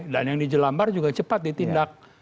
dan yang di jelambar juga cepat ditindak